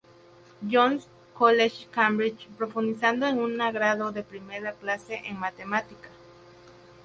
John's College, Cambridge, profundizando en una "grado de primera clase" en matemática.